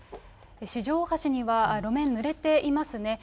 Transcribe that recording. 四条大橋には、路面、濡れていますね。